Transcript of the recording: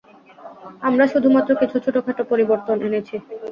আমরা শুধুমাত্র কিছু ছোট-খাটো পরিবর্তন এনেছি।